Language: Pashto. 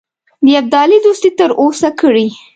د ابدالي دوستي تر لاسه کړي.